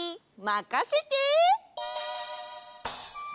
まかせて！